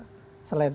selain soal kekerasan